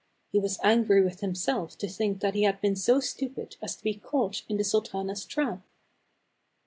He was angry with himself to think that he had been so stupid as to be caught in the sultana's trap.